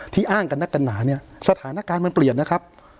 อ้างกันนักกันหนาเนี่ยสถานการณ์มันเปลี่ยนนะครับ